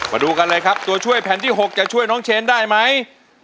มาดูกันเลยครับตัวช่วยแผ่นที่๖จะช่วยน้องเชนได้ไหม